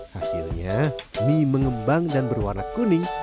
hasilnya mie mengembang dan berwarna kuning